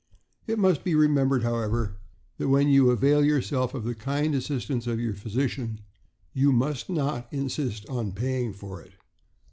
It must be remembered, however, that when you avail yourself of the kind assistance of your physician you must not insist on paying for it.